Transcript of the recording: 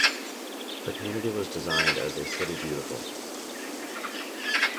The community was designed as a City Beautiful.